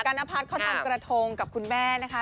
ณพัฒน์เขาทำกระทงกับคุณแม่นะคะ